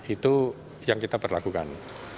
itu yang kita perlakukan